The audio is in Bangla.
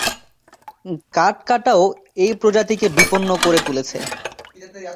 কাঠ কাটাও এই প্রজাতিকে বিপন্ন করে তুলেছে।